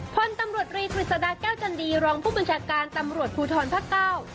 พลตำรวจภิสรษฎะเกล้าจันทรีรองผู้บุญชาการตำรวจพูทรพศเก้า